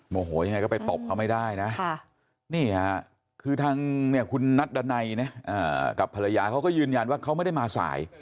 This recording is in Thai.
โมโหอย่างไรก็ไปตบเขาไม่ได้นะคือทางคุณนัทดันัยกับภรรยาเขาก็ยืนยันว่าเขาไม่ได้มาสาย